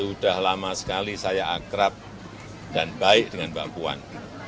sudah lama sekali saya akrab dan baik dengan mbak puan